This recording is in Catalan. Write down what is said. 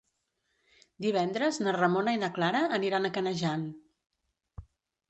Divendres na Ramona i na Clara aniran a Canejan.